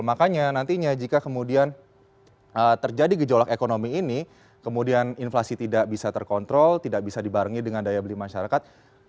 makanya nantinya jika kemudian terjadi gejolak ekonomi ini kemudian inflasi tidak bisa terkontrol tidak bisa dibarengi dengan daya beli masyarakat